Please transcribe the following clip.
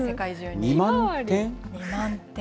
２万点。